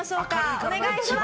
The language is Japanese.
お願いします。